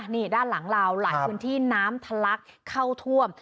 นี่ด้านหลังเราหลายพื้นที่น้ำทะลักเข้าท่วม